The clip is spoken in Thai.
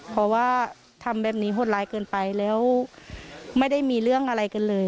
เพราะว่าทำแบบนี้หดร้ายเกินไปแล้วไม่ได้มีเรื่องอะไรกันเลย